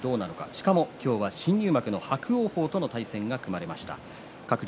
しかも今日は新入幕の伯桜鵬との対戦が組まれました。